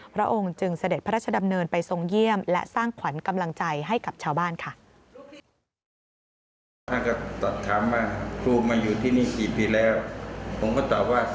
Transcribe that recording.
พระองค์จึงเสด็จพระราชดำเนินไปทรงเยี่ยมและสร้างขวัญกำลังใจให้กับชาวบ้านค่ะ